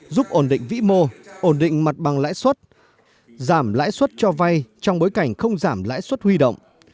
giúp ổn định vụ truyền thống của các ngành ngân hàng